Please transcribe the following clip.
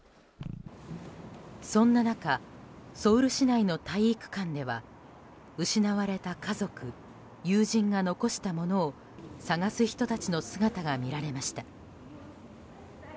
そんな中ソウル市内の体育館では失われた家族、友人が残したものを探す人たちの姿が見られました。